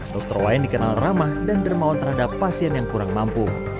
dokter wayan dikenal ramah dan dermawan terhadap pasien yang kurang mampu